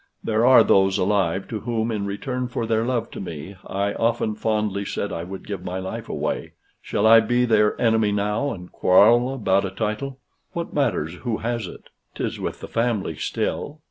"There are those alive to whom, in return for their love to me, I often fondly said I would give my life away. Shall I be their enemy now, and quarrel about a title? What matters who has it? 'Tis with the family still."